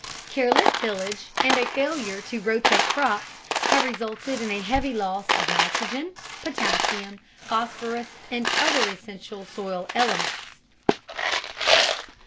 Careless tillage and a failure to rotate crops have resulted in a heavy loss of nitrogen, potassium, phosphorus, and other essential soil elements.